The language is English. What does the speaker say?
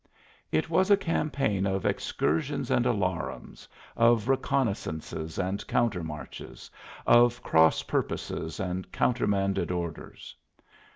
It was a campaign of "excursions and alarums," of reconnoissances and counter marches, of cross purposes and countermanded orders.